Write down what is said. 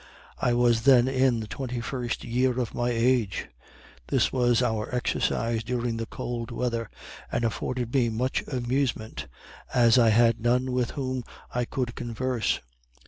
I was then in the twenty first year of my age. This was our exercise during the cold weather, and afforded me much amusement, as I had none with whom I could converse.